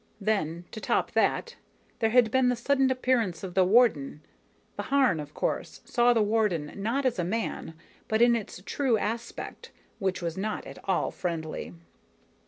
Then, to top that, there had been the sudden appearance of the Warden. The Harn, of course, saw the Warden not as a man, but in its true aspect, which was not at all friendly.